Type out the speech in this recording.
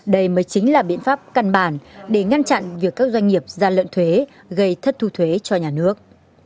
đây mới chính là biện pháp căn bản để ngăn chặn việc các doanh nghiệp gian lận thuế gây thất thu thuế cho nhà nước